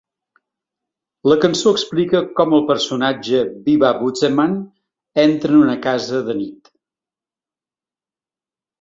La cançó explica com el personatge, Bi–Ba–Butzemann, entra en una casa de nit.